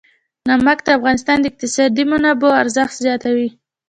نمک د افغانستان د اقتصادي منابعو ارزښت زیاتوي.